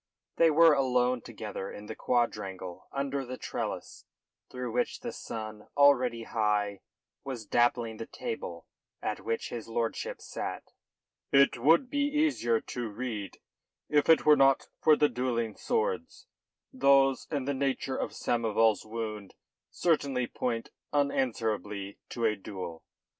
They were alone together in the quadrangle under the trellis, through which the sun, already high, was dappling the table at which his lordship sat. "It would be easier to read if it were not for the duelling swords. Those and the nature of Samoval's wound certainly point unanswerably to a duel.